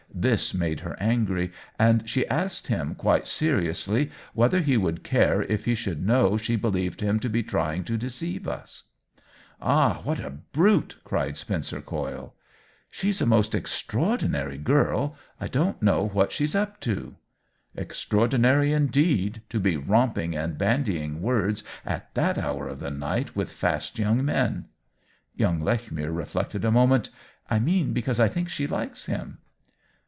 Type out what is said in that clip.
This made her angry, and she asked him, quite seriously, whether he would care if he should know she believed him to be trying to deceive us." 2l6 OWEN WINGRAVE " Ah, what a brute !" cried Spencer Coyle. "She's a most extraordinary girl — I don't know what she's up to." " Extraordinary indeed — to be romping and bandying words at that hour of the night with fast young men !" Young Lechmere reflected a moment "I mean because I think she likes him."